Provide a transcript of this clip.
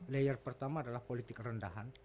layer pertama adalah politik rendahan